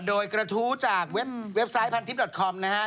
โดยกระทู้จากเว็บไซต์พันทิพยอดคอมนะฮะ